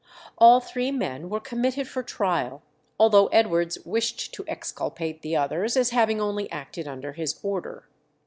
All three men were committed for trial, although Edwards wished to exculpate the others as having only acted under his order.